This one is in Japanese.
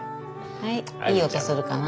はいいい音するかな。